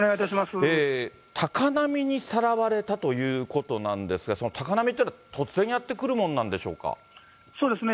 高波にさらわれたということなんですが、その高波っていうのは突然やって来るものなんでしょそうですね。